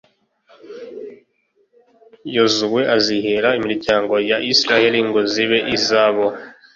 yozuwe azihera imiryango ya israheli ngo zibe izabo